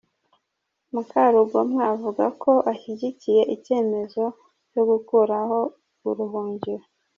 Mukarugomwa avuga ko ashyigikiye icyemezo cyo gukuraho ubuhungiro.